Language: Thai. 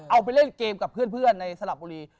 เอาไปเล่นเกมกับเพื่อนในสลับบุรี